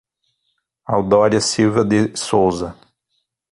Audoria Silva de Souza